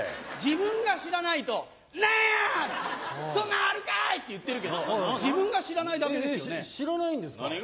自分が知らないと「何や！そんなんあるかい！」って言ってるけど自分が知らないだけですよね。